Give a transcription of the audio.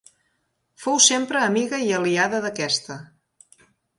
Fou sempre amiga i aliada d'aquesta.